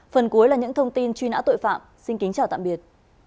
phần cuối là những thông tin truy nã tội phạm xin kính chào tạm biệt